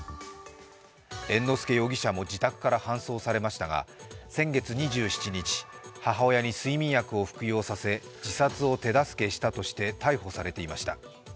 猿之助容疑者も自宅から搬送されましたが先月２７日、母親に睡眠薬を服用させ自殺を手助けしたとして逮捕されていました。